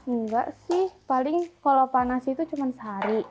enggak sih paling kalau panas itu cuma sehari